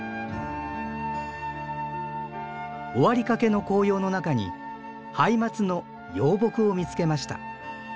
終わりかけの紅葉の中にハイマツの幼木を見つけました。